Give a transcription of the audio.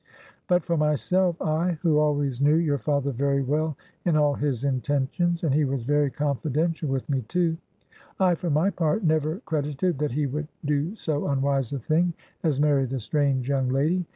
But, for myself, I who always knew your father very well in all his intentions, and he was very confidential with me, too I, for my part, never credited that he would do so unwise a thing as marry the strange young lady.